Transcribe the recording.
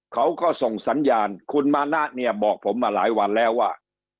เขาก็ส่งสัญญาณคุณมานะเนี่ยบอกผมมาหลายวันแล้วว่า